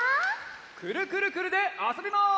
「くるくるくるっ」であそびます！